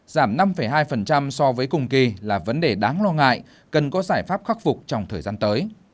giảm năm hai so với cùng kỳ là vấn đề đáng lo ngại cần có giải pháp khắc phục trong thời gian tới